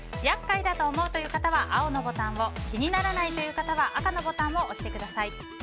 厄介だと思う方は青のボタンを気にならないという方は赤のボタンを押してください。